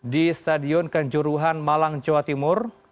di stadion kanjuruhan malang jawa timur